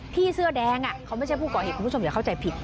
เสื้อแดงเขาไม่ใช่ผู้ก่อเหตุคุณผู้ชมอย่าเข้าใจผิด